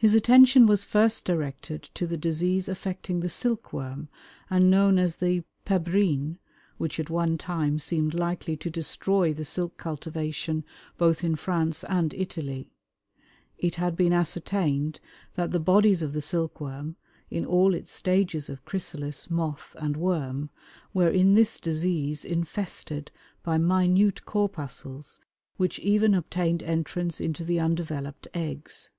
His attention was first directed to the disease affecting the silkworm, and known as the Pebrine, which at one time seemed likely to destroy the silk cultivation both in France and Italy. It had been ascertained that the bodies of the silkworm, in all its stages of chrysalis, moth, and worm, were in this disease infested by minute corpuscles which even obtained entrance into the undeveloped eggs.